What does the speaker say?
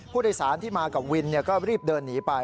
ผู้โดยสารที่มากับวินก็รีบเดินหนีไป